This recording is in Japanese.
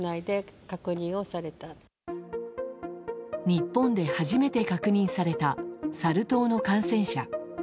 日本で初めて確認されたサル痘の感染者。